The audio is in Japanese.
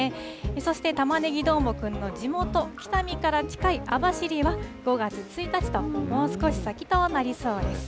そして、たまねぎどーもくんの地元、北見から近い網走は５月１日と、もう少し先となりそうです。